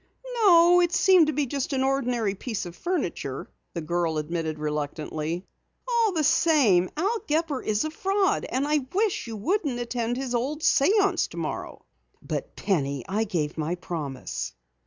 "No, it seemed to be just an ordinary piece of furniture," the girl admitted reluctantly. "All the same, Al Gepper is a fraud, and I wish you wouldn't attend his old séance tomorrow." "But Penny, I gave my promise."